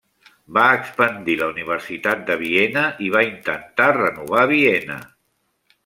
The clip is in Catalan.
Va expandir la universitat de Viena i va intentar renovar Viena.